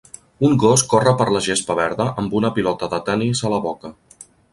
Un gos corre per la gespa verda amb una pilota de tenis a la boca.